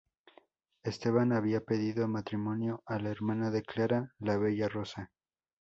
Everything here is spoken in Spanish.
Esteban había pedido matrimonio a la hermana de Clara, la bella Rosa.